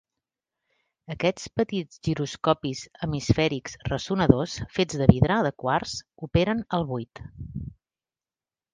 Aquests petits giroscopis hemisfèrics ressonadors fets de vidre de quars operen al buit.